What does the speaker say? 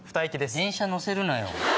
電車乗せるなよ！